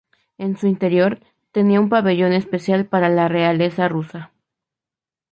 En su interior tenía un pabellón especial para la realeza rusa.